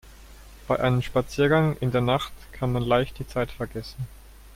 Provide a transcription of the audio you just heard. Bei einem Spaziergang in der Nacht kann man leicht die Zeit vergessen.